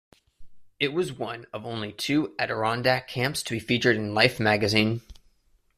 It was one of only two Adirondack camps to be featured in "Life" magazine.